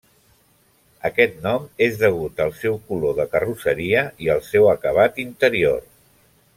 Aquest nom és degut al seu color de carrosseria i al seu acabat interior.